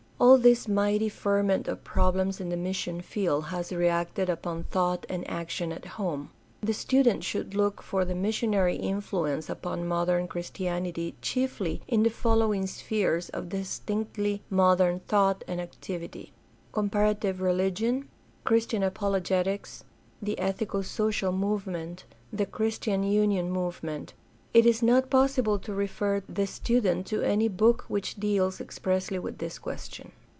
All this mighty ferment of problems in the mission field has reacted upon thought and action at home. The student should look for the missionary influence upon modern Chris tianity chiefly in the following spheres of distinctly modern thought and activity: comparative religion, Christian apologetics, the ethico social movement, the Christian union movement. It is not possible to refer the student to any book which deals expressly with this question.